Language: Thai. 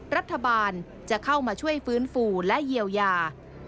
รัฐบาลจะเข้ามาช่วยฟื้นฟูและเยียวยา